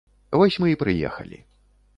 Вось мы і прыехалі.